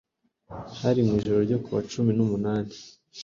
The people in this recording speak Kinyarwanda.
Hari mu ijoro ryo ku wa cumi numunani